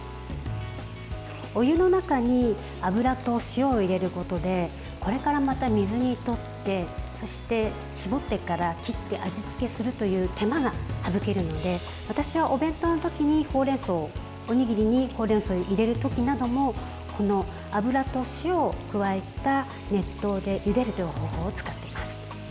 お湯の中に油と塩を入れることでこれからまた水にとってそして、絞ってから切って味付けするという手間が省けるので私はお弁当の時に、おにぎりにほうれんそうを入れる時なども油と塩を加えた熱湯でゆでるという方法を使っています。